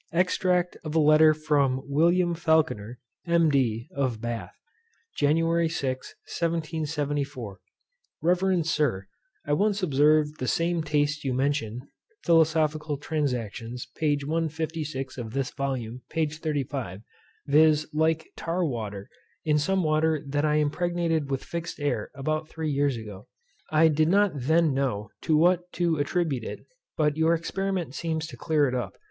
Extract of a Letter from WILLIAM FALCONER, M.D. of BATH. Jan 6, 1774, Reverend Sir, I once observed the same taste you mention (Philosophical Transactions, p. 156. of this Volume, p. 35.) viz. like tar water, in some water that I impregnated with fixed air about three years ago. I did not then know to what to attribute it, but your experiment seems to clear it up.